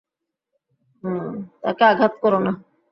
তাকে আঘাত কোরো না!